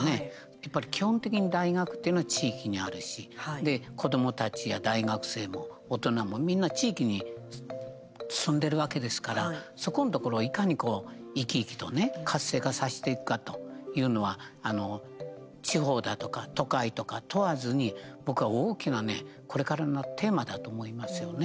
やっぱり基本的に大学っていうのは地域にあるし子どもたちや大学生も大人もみんな地域に住んでいるわけですからそこのところをいかに生き生きとね活性化させていくかというのは地方だとか都会とか問わずに僕は大きなね、これからのテーマだと思いますよね。